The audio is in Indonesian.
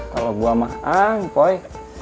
kalau gue mah angkoy